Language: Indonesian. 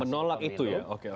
menolak itu ya oke